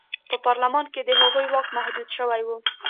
په پارلمان کې د هغوی واک محدود شوی و.